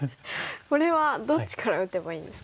これはどっちから打てばいいんですか？